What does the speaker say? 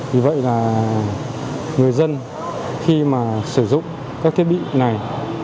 vì vậy là người dân khi mà sử dụng các thiết bị này